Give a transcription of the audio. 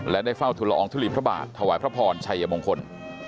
และได้เฝ้าทุลอองทุลีพระบาทถวายพระพรชัยมงคล